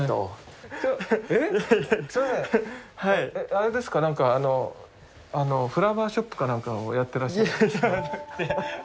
あれですかなんかフラワーショップかなんかをやってらっしゃる？